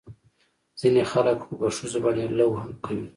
ځينې خلق خو په ښځو باندې لو هم کوي.